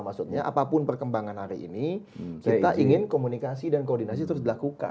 maksudnya apapun perkembangan hari ini kita ingin komunikasi dan koordinasi terus dilakukan